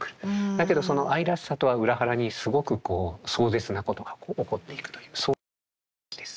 だけどその愛らしさとは裏腹にすごくこう壮絶なことが起こっていくというそういうおとぎ話です。